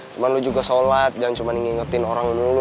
cuman lo juga sholat jangan cuma ingetin orang dulu lo